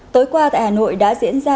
tối qua tại hà nội đã diễn ra